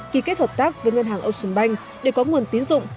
ký kết hợp tác với ngân hàng ocean bank để có nguồn tín dụng